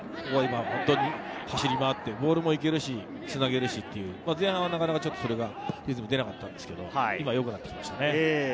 走り回ってボールもいけるしつなげるし、前半はなかなかリズムが出なかったんですけれど良くなってきましたよね。